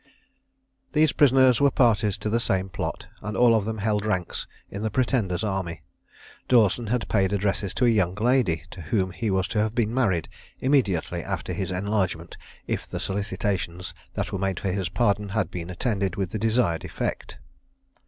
These prisoners were parties to the same plot, and all of them held ranks in the Pretender's army. Dawson had paid addresses to a young lady, to whom he was to have been married immediately after his enlargement, if the solicitations that were made for his pardon had been attended with the desired effect.